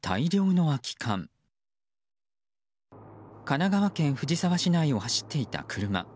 神奈川県藤沢市内を走っていた車。